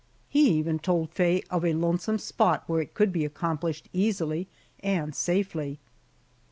He even told Faye of a lonesome spot where it could be accomplished easily and safely!